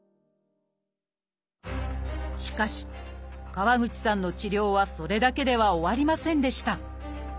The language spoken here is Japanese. しかし川口さんの治療はそれだけでは終わりませんでした。